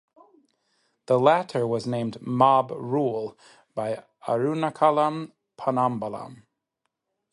The latter was named "mob rule" by Arunachalam Ponnambalam.